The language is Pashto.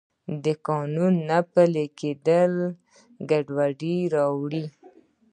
د قانون نه پلی کیدل ګډوډي راوړي.